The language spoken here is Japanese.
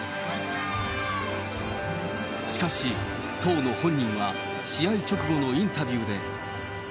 しかし、当の本人は試合直後のインタビューで。